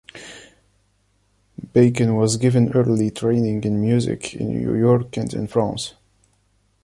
Bacon was given early training in music in New York and in France.